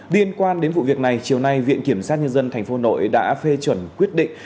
liên quan đến vụ việc này chiều nay viện kiểm sát nhân dân tp hà nội đã phê chuẩn quyết định